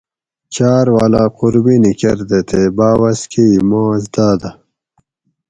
چار والا قُربینی کر دہ تے باۤوس کہ ئ ماس داۤدہ